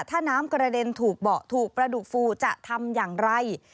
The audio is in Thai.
ถ้าน้ำกระเด็นถูกเบาะถูกประดูกฟูจะทำอย่างไร